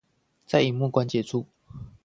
在螢幕關節處